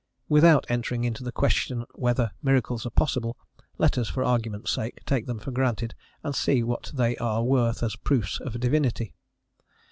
Without entering into the question whether miracles are possible, let us, for argument's sake, take them for granted, and see what they are worth as proofs of Divinity.